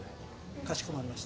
かしこまりました。